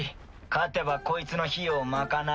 勝てばこいつの費用を賄える。